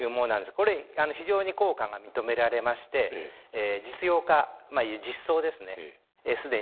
これ非常に効果が認められまして実用化実装ですね既にされております。